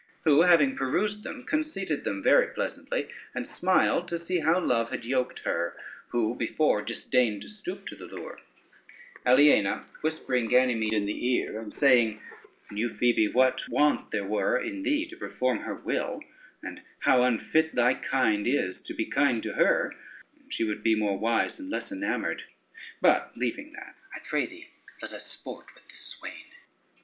Who, having perused them, conceited them very pleasantly, and smiled to see how love had yoked her, who before would not stoop to the lure; Aliena whispering Ganymede in the ear, and saying, "Knew Phoebe what want there were in thee to perform her will, and how unfit thy kind is to be kind to her, she would be more wise, and less enamored; but leaving that, I pray thee let us sport with this swain."